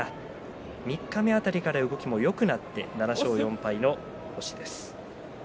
三日目辺りから動きがよくなって７勝４敗の星です。